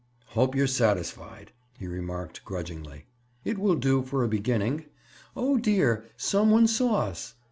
"Hope you're satisfied," he remarked grudgingly. "It will do for a beginning. Oh, dear! some one saw us!"